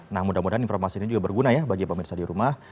nah mudah mudahan informasi ini juga berguna ya bagi pemirsa di rumah